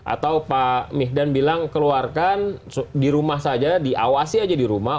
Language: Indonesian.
atau pak mihdan bilang keluarkan di rumah saja diawasi aja di rumah